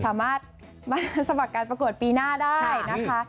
สามารถมาสมัครการประกวดปีหน้าได้นะคะ